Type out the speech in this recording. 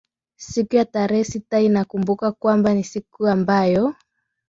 siku ya tarehe sita inakumbukwa kwamba ni siku ambayo